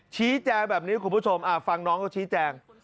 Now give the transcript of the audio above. ชี้แจงแบบนี้คุณผู้ชมฟังน้องเขาชี้แจง